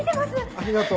ありがとう。